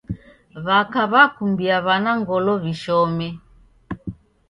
W'aka w'akumbia w'ana ngolo w'ishome.